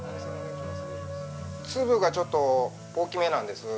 粒がちょっと大きめなんです。